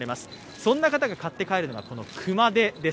そんな方が買って帰るのが熊手です。